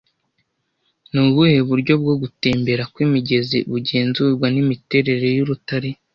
Ni ubuhe buryo bwo gutembera kw'imigezi bugenzurwa n'imiterere y'urutare